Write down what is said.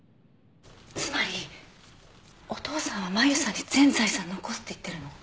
つまりお父さんはマユさんに全財産残すって言ってるの？